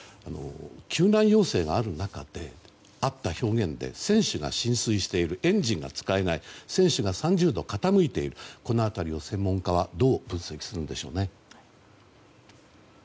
救難要請がある中であった表現で船首が浸水しているエンジンが使えない船首が３０度傾いているこの辺りを専門家はどう分析するんでしょうね。